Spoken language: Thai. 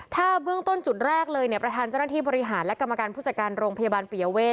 ถ้าเบื้องต้นจุดแรกเลยเนี่ยประธานเจ้าหน้าที่บริหารและกรรมการผู้จัดการโรงพยาบาลปิยเวท